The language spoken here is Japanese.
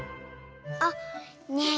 あっねえ